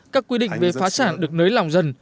các quy định về phá sản được nới lỏng dần